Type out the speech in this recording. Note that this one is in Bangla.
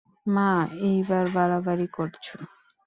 মা, এইবার বাড়াবাড়ি করছো।